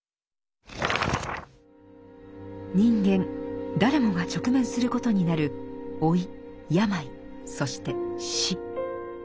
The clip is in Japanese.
人間誰もが直面することになる老い病そして死。